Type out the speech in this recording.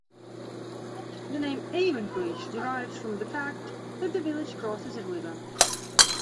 The name Avonbridge derives from the fact that the village crosses a river.